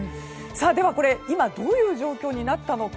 では、これ今どういう状況になったのか。